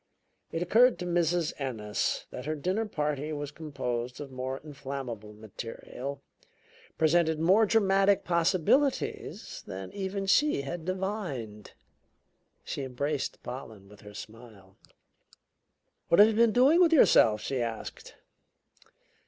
It occurred to Mrs. Ennis that her dinner party was composed of more inflammable material, presented more dramatic possibilities, than even she had divined. She embraced Pollen with her smile. "What have you been doing with yourself?" she asked.